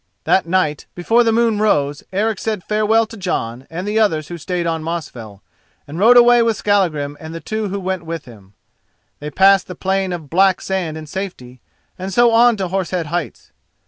That night before the moon rose Eric said farewell to Jon and the others who stayed on Mosfell, and rode away with Skallagrim and the two who went with him. They passed the plain of black sand in safety, and so on to Horse Head Heights.